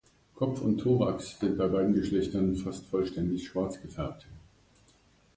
Kopf und Thorax sind bei beiden Geschlechtern fast vollständig schwarz gefärbt.